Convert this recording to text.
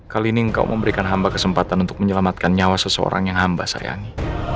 kali ini engkau memberikan hamba kesempatan untuk menyelamatkan nyawa seseorang yang hamba sayangi